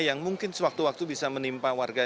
yang mungkin sewaktu waktu bisa menimpa warga